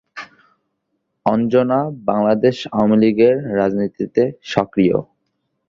অঞ্জনা বাংলাদেশ আওয়ামী লীগের রাজনীতিতে সক্রিয়।